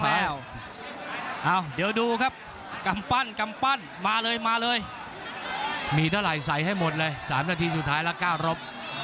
เอ้าเดี๋ยวดูครับกำปั้นกำปั้นมาเลยมาเลยมีเท่าไหร่ใส่ให้หมดเลย๓นาทีสุดท้ายละ๙รบ